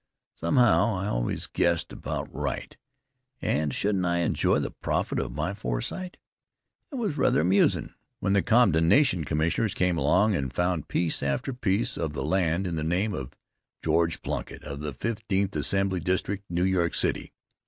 Somehow, I always guessed about right, and shouldn't I enjoy the profit of my foresight? It was rather amusin' when the condemnation commissioners came along and found piece after piece of the land in the name of George Plunkitt of the Fifteenth Assembly District, New York City.